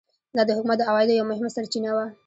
دا د حکومت د عوایدو یوه مهمه سرچینه وه.